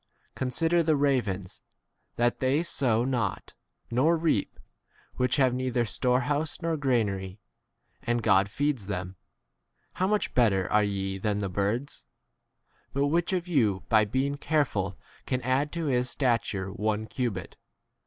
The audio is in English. Con sider the ravens, that m they sow not, nor reap ; which have neither storehouse nor granary ; and God feeds them. How much better 25 are ye than the birds ? But which of you by being careful can add 26 to his stature one cubit